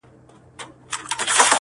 وړانګي ته په تمه چي زړېږم ته به نه ژاړې،